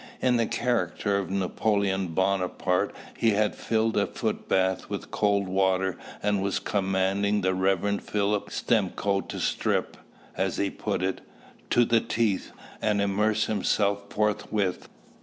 In the character of Napoleon Bonaparte he had filled a footbath with cold water, and was commanding the Rev. Philip Stimcoe to strip as he put it to the teeth, and immerse himself forthwith.